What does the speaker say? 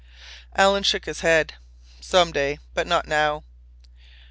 Alan shook his head. "Some day—but not now."